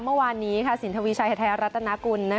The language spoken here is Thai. เมื่อวานนี้สินทวีชัยไทยรัฐนากุล